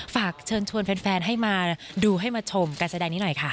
ฝากเชิญชวนแฟนให้มาดูให้มาชมการแสดงนี้หน่อยค่ะ